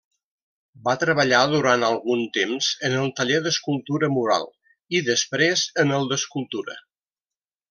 Va treballar durant algun temps en el taller d'escultura mural i, després, en el d'escultura.